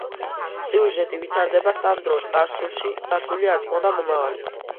სიუჟეტი ვითარდება სამ დროში: წარსული, აწმყო და მომავალი.